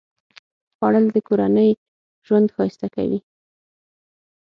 خوړل د کورنۍ ژوند ښایسته کوي